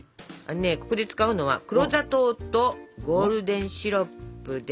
ここで使うのは黒砂糖とゴールデンシロップです。